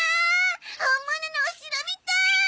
本物のお城みたい！